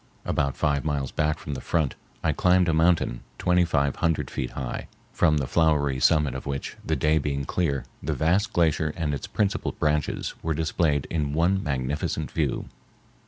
About five miles back from the front I climbed a mountain twenty five hundred feet high, from the flowery summit of which, the day being clear, the vast glacier and its principal branches were displayed in one magnificent view.